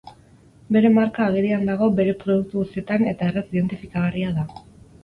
Bere marka agerian dago bere produktu guztietan eta erraz identifikagarria da.